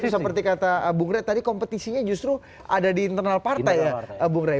seperti kata bung rey tadi kompetisinya justru ada di internal partai ya bung rey